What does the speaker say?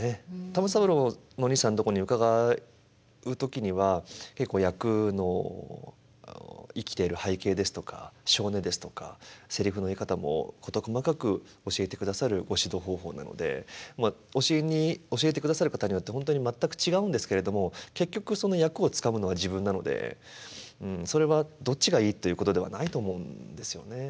玉三郎のおにいさんとこに伺う時には結構役の生きてる背景ですとか性根ですとかセリフの言い方も事細かく教えてくださるご指導方法なので教えてくださる方によって本当に全く違うんですけれども結局その役をつかむのは自分なのでそれはどっちがいいということではないと思うんですよね。